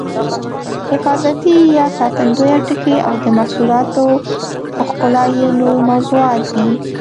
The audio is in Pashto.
حفاظتي یا ساتندویه ټکي او د محصولاتو ښکلا یې نور موضوعات دي.